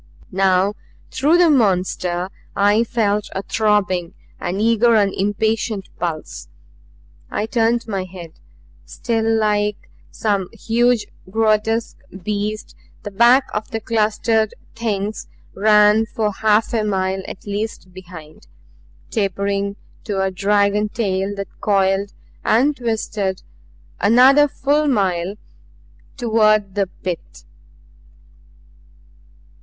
Now through the monster I felt a throbbing, an eager and impatient pulse. I turned my head. Still like some huge and grotesque beast the back of the clustered Things ran for half a mile at least behind, tapering to a dragon tail that coiled and twisted another full mile toward the Pit.